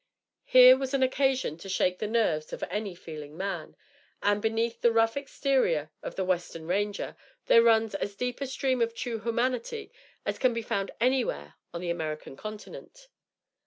Here was an occasion to shake the nerves of any feeling man; and, beneath the rough exterior of the western ranger, there runs as deep a stream of true humanity as can be found anywhere on the American continent.